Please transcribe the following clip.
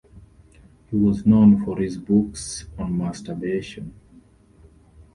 He was known for his books on masturbation.